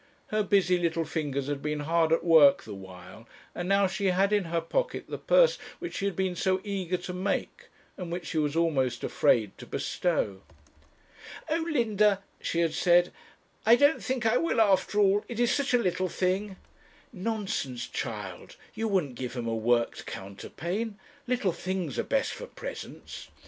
Her busy little fingers had been hard at work the while, and now she had in her pocket the purse which she had been so eager to make, and which she was almost afraid to bestow. 'Oh, Linda,' she had said, 'I don't think I will, after all; it is such a little thing.' 'Nonsense, child, you wouldn't give him a worked counterpane; little things are best for presents.'